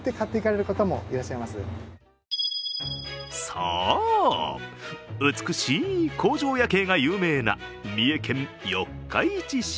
そう、美しい工場夜景が有名な三重県四日市市。